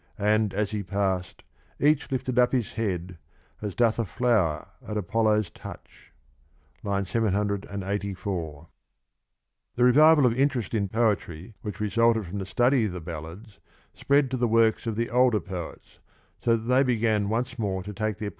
And, as he pass'd, each lifted up his head, As doth a flower at Apollo's touch. (III. 784) The revival of interest in poetry which resulted from the study of the ballads spread to the works of the older poets, so that they began once more to take their place 1 Profefj&or Phelps lia.